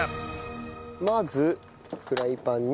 まずフライパンに。